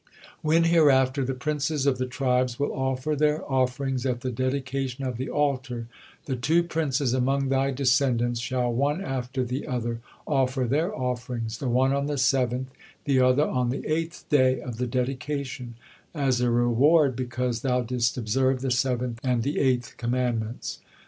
When, hereafter, the princes of the tribes will offer their offerings at the dedication of the altar, the two princes among thy descendants shall one after the other offer their offerings, the one on the seventh, the other on the eighth day of the dedication, as a reward because thou didst observe the seventh and the eighth commandments."